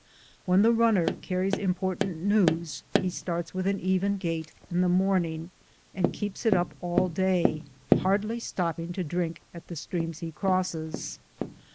When the runner car ries important news he starts with an even gait in the morning and keeps it up all day, hardly stopping to drink at the streams he crosses.